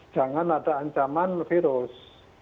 jangan ada ancaman virus